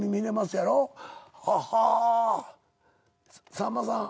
さんまさん